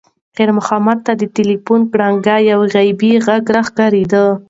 خیر محمد ته د تلیفون ګړنګ یو غیبي غږ ښکارېده.